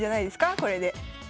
これで。